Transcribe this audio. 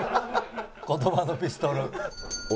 言葉のピストル。